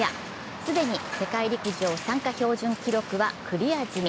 既に世界陸上参加標準記録はクリア済み。